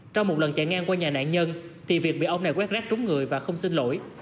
trong một lần chạy ngang qua nhà nạn nhân thì việc bị ông này quét rác trúng người và không xin lỗi